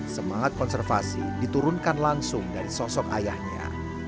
semangat konservasi diturunkan langsung dari sosok ayahnya